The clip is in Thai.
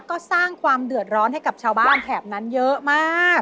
ก็สร้างความเดือดร้อนให้กับชาวบ้านแถบนั้นเยอะมาก